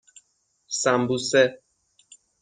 سمبوسه